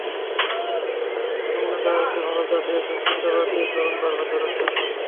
হানিমুনে যাওয়া, একটি ভালো চাকরি—এসব চিন্তা বাদ দিয়ে তরুণ পারভেজ দৌড়াচ্ছেন হাসপাতালে।